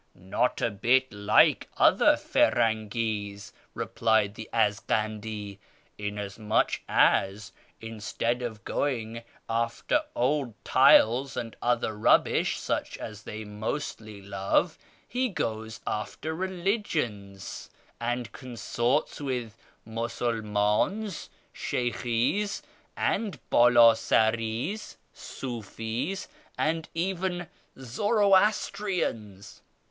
' Not a bit like other I'irangn's,' replied the Azghandi, ' inasmuch as, instead of going after old tiles and other rubbish such as they mostly love, he goes after religions, and consorts with Musulmans, Sheykhis and Baliisaris, Sufi's, and even Zoroastriaus.'